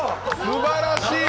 すばらしい！